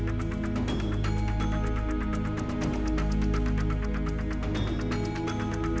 แต่ผมสูญเลียกว่าครั้งแรกนี่ก็ที่รัก